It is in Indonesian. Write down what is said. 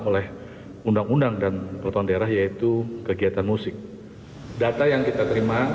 dengan penyelenggaraan dua hari